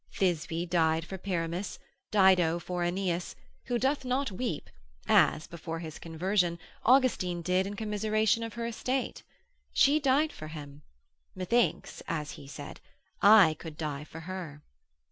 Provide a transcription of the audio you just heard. Thisbe died for Pyramus, Dido for Aeneas; who doth not weep, as (before his conversion) Austin did in commiseration of her estate! she died for him; methinks (as he said) I could die for her.